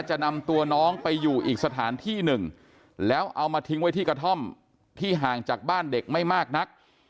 จะนำตัวน้องไปอยู่อีกสถานที่หนึ่งแล้วเอามาทิ้งไว้ที่กระท่อมที่ห่างจากบ้านเด็กไม่มากนัก